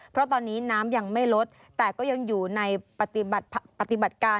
เพราะตอนนี้น้ำยังไม่ลดแต่ก็ยังอยู่ในปฏิบัติการ